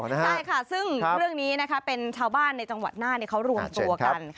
ใช่ค่ะซึ่งเรื่องนี้นะคะเป็นชาวบ้านในจังหวัดน่านเขารวมตัวกัน